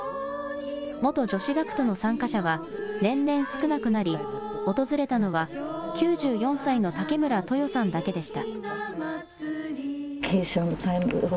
元女子学徒の参加者は年々少なくなり、訪れたのは９４歳の武村豊さんだけでした。